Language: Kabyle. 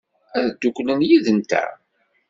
Ad dduklent yid-nteɣ?